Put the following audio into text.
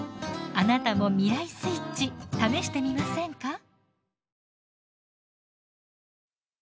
あなたも未来スイッチ試してみませんか？